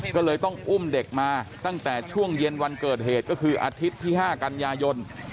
ก็เลยต้องอุ้มเด็กมาตั้งแต่ช่วงเย็นวันเกิดเหตุก็คืออาทิตย์ที่๕กันยายน